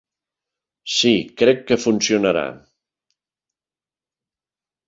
Sí, crec que funcionarà.